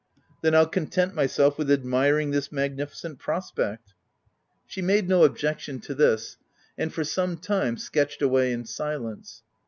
" Then I'll content myself with admiring this magnificent prospect." She made no objection to this ; and, for some time, sketched away in silence.